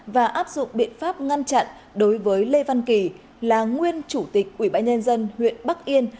và áp dụng biện pháp ngăn chặn đối với lê văn kỳ là nguyên chủ tịch ủy ban nhân dân huyện bắc yên